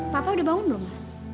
papa udah bangun belum